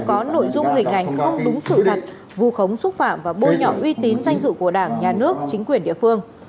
có nội dung hình ảnh không đúng sự thật vù khống xúc phạm và bôi nhọ uy tín danh dự của đảng nhà nước chính quyền địa phương